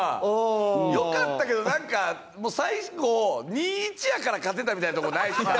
良かったけどなんかもう最後２：１やから勝てたみたいなとこないですか？